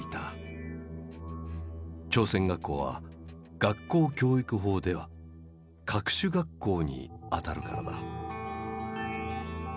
朝鮮学校は学校教育法では「各種学校」にあたるからだ。